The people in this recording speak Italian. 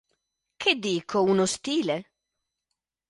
Che dico uno stile?!